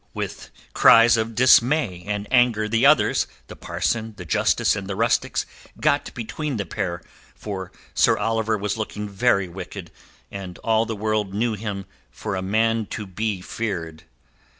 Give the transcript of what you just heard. With cries of dismay and anger the others, the parson, the Justice and the rustics got between the pair, for Sir Oliver was looking very wicked, and all the world knew him for a man to be feared.